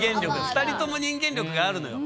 ２人とも人間力があるのよ。